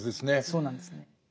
そうなんですね。